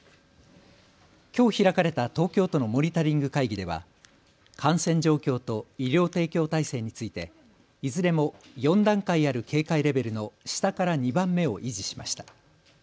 きょう開かれた東京都のモニタリング会議では感染状況と医療提供体制についていずれも４段階ある警戒レベルの下から２番目を維持しました。